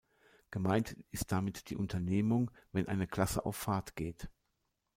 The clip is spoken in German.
Gemeint ist damit die Unternehmung, wenn eine Klasse auf Fahrt geht.